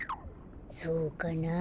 そうかなあ。